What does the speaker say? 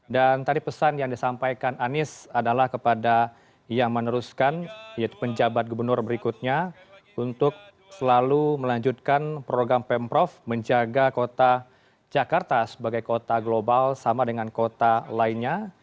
dan tadi pesan yang disampaikan anies adalah kepada yang meneruskan yaitu penjabat gubernur berikutnya untuk selalu melanjutkan program pemprov menjaga kota jakarta sebagai kota global sama dengan kota lainnya